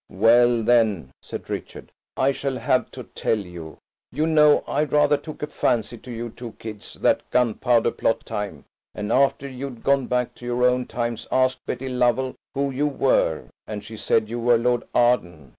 "Well, then," said Richard, "I shall have to tell you. You know, I rather took a fancy to you two kids that Gunpowder Plot time; and after you'd gone back to your own times asked Betty Lovell who you were, and she said you were Lord Arden.